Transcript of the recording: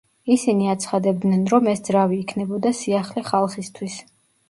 ისინი აცხადებდნენ რომ ეს ძრავი იქნებოდა სიახლე ხალხისთვის.